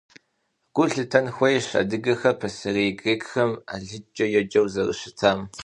Гу лъытэн хуейщ адыгэхэр пасэрей грекхэм алыджкӀэ еджэу зэрыщытам.